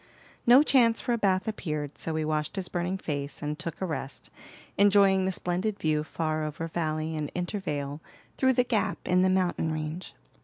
No chance for a bath appeared, so he washed his burning face and took a rest, enjoying the splendid view far over valley and intervale through the gap in the mountain range.